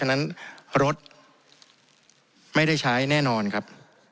ฉะนั้นรถไม่ได้ใช้แน่นอนครับ